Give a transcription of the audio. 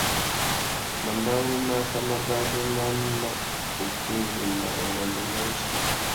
Mabarú mà affámabarú má mà kutu ndénda ungôndômô wussi.